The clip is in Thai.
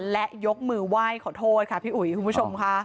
และยกมือไหว้ขอโทษค่ะพี่อุ๋ยคุณผู้ชมค่ะ